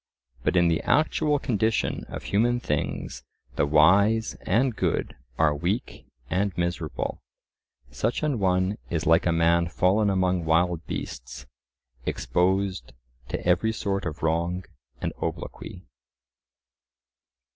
But in the actual condition of human things the wise and good are weak and miserable; such an one is like a man fallen among wild beasts, exposed to every sort of wrong and obloquy.